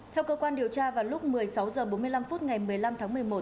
theo cơ quan điều tra vào lúc một mươi sáu h bốn mươi năm phút ngày một mươi năm tháng một mươi một